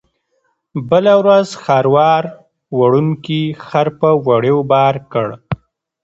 بله ورځ خروار وړونکي خر په وړیو بار کړ.